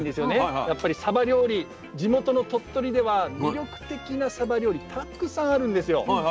やっぱりサバ料理地元の鳥取では魅力的なサバ料理たくさんあるんですよ。